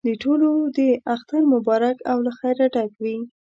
د ټولو دې اختر مبارک او له خیره ډک وي.